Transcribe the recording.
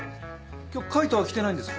今日海人は来てないんですか？